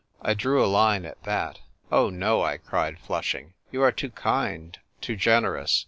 I drew a line at that. " Oh, no," I cried, flushing. "You are too kind, too generous.